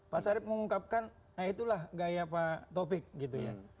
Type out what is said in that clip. pak sarip mengungkapkan nah itulah gaya pak taufik gitu ya